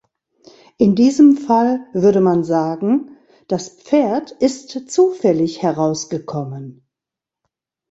In diesem Fall würde man sagen: „Das Pferd ist zufällig herausgekommen“.